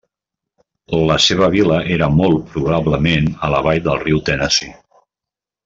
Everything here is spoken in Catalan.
La seva vila era molt probablement a la vall del riu Tennessee.